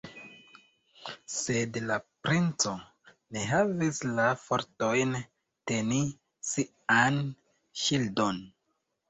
Sed la princo ne havis la fortojn teni sian ŝildon.